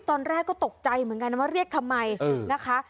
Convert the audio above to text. ตอนแรกก็ตกใจเหมือนกันว่าเรียกทำไมนะคะ